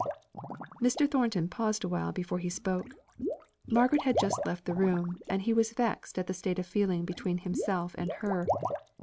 Mr. Thornton paused awhile before he spoke. Margaret had just left the room, and he was vexed at the state of feeling between himself and her.